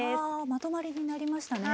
まとまりになりましたね。